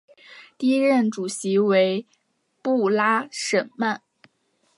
第一任主席为布拉什曼。